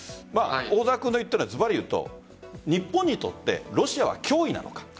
大空君が言ってるのはズバリ言うと日本にとってロシアは脅威なのか。